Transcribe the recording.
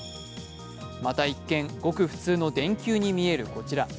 また、一見ごく普通の電球に見えるこちら。